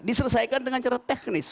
diselesaikan dengan cara teknis